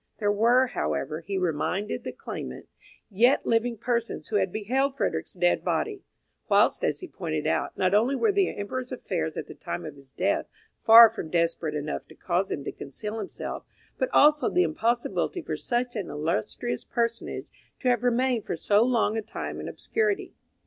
There were, however, he reminded the claimant, yet living persons who had beheld Frederick's dead body; whilst, as he pointed out, not only were the Emperor's affairs at the time of his death far from desperate enough to cause him to conceal himself, but also the impossibility for such an illustrious personage to have remained for so long a time in obscurity.